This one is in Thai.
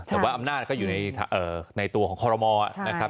แต่ว่าอำนาจก็อยู่ในตัวของคอรมอนะครับ